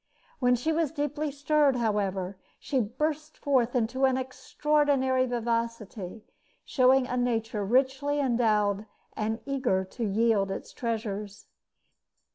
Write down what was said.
When she was deeply stirred, however, she burst forth into an extraordinary vivacity, showing a nature richly endowed and eager to yield its treasures.